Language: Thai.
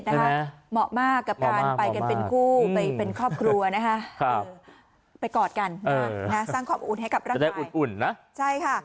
จะได้อุดนะ